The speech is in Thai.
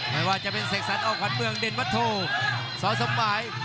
ไม่ว่าจะเป็นเสกสันออกขวานเมืองเดนวัตโทซ้อนสมบาย